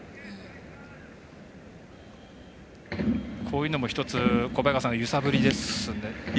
こういうのも１つ揺さぶりですね。